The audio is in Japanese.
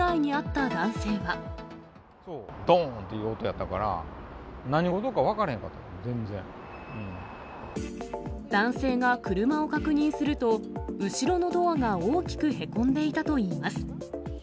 どーんという音やったから、男性が車を確認すると、後ろのドアが大きくへこんでいたといいます。